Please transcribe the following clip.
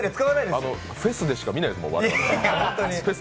フェスでしか見ないですもん、我々。